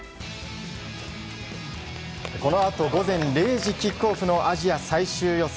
このあと午前０時キックオフのアジア最終予選。